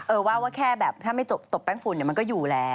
ว่าว่าแค่แบบถ้าไม่ตบแป้งฝุ่นเนี่ยมันก็อยู่แล้ว